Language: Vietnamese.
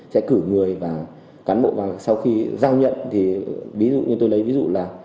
sẽ cử người và cán bộ vào sau khi giao nhận thì ví dụ như tôi lấy ví dụ là